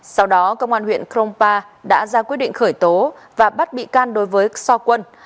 sau đó công an huyện krongpa đã ra quyết định khởi tố và bắt bị can đối với so quân